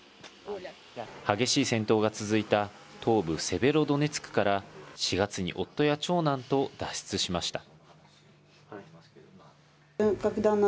激しい戦闘が続いた東部セベロドネツクから、４月に夫や長男と脱出しました。